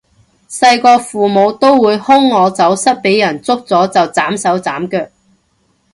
細個父母都會兇我走失畀人捉咗就斬手斬腳